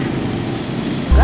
halo assalamualaikum jaka